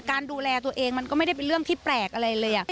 ดูแลตัวเองมันก็ไม่ได้เป็นเรื่องที่แปลกอะไรเลย